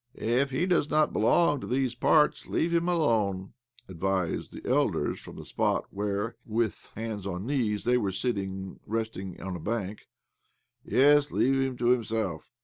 "If he does not belong to these parts, leave him alone," advised the elders from the spot where, with hands on knees, they were sitting resting on a bank. " Yes, leave him to himself.